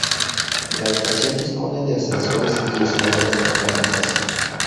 La estación dispone de ascensores y escaleras mecánicas.